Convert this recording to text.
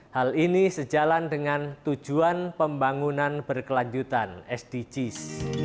hal ini sejalan dengan tujuan pembangunan berkelanjutan sdgs